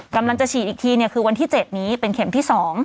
กำลังจะฉีดอีกทีคือวันที่๗นี้เป็นเข็มที่๒